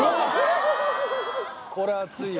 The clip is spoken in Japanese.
これ熱いよ。